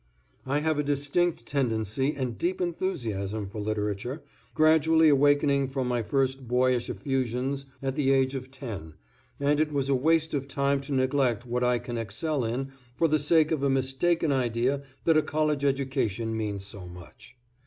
I have a distinct tendency and deep enthusiasm for literature, gradually awakening from my first boyish effusions at the age of 10, and it was a waste of time to neglect what I can excel in for the sake of a mistaken idea that a college education means so much.